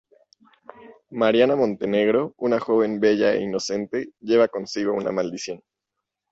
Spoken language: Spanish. Mariana Montenegro, una joven bella e inocente, lleva consigo una maldición.